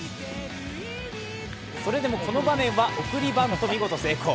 それでもこの場面は送りバント見事成功。